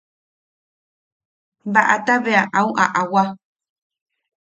Baʼata bea au aʼawa.